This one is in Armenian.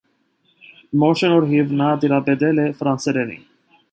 Մոր շնորհիվ նա տիրապետել է ֆրանսերենի։